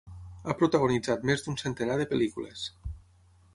Ha protagonitzat més d'un centenar de pel·lícules.